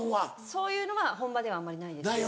そういうのは本場ではあんまりないですね。